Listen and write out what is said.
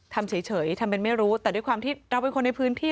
ทำเฉยทำเป็นไม่รู้แต่ด้วยความที่เราเป็นคนในพื้นที่